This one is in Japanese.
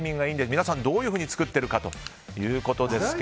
皆さんどういうふうに作っているかということですが。